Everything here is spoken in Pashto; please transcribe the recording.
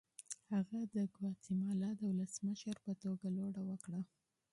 هغه د ګواتیمالا د ولسمشر په توګه لوړه وکړه.